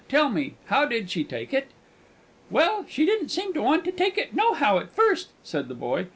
Tell me, how did she take it?" "Well, she didn't seem to want to take it nohow at first," said the boy.